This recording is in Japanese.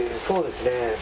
そうですね。